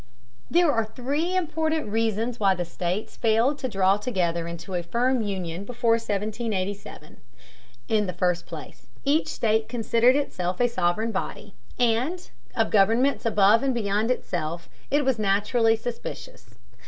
There are three important reasons why the states failed to draw together into a firm union before 1787. In the first place, each state considered itself a sovereign body, and of governments above and beyond itself it was naturally suspicious.